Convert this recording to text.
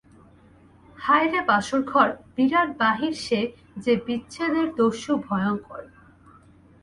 হায় রে বাসরঘর, বিরাট বাহির সে যে বিচ্ছেদের দস্যু ভয়ংকর।